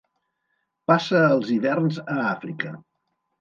Passa els hiverns a Àfrica.